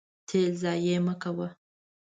تیل ضایع مه کوه.